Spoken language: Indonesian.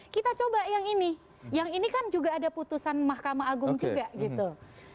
kita coba yang ini yang ini kan juga ada putusan mahkamah agung juga gitu